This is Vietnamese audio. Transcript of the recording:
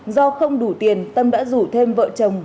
do không đủ tiền tâm đã rủ thêm vợ chồng